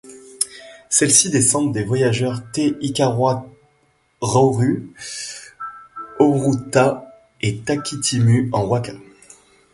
Celles-ci descendent des voyageurs Te Ikaroa-a-Rauru, Horouta et Tākitimu en waka.